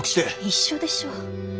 一緒でしょ。